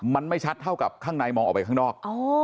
มันไม่ชัดเท่ากับข้างในมองออกไปข้างนอก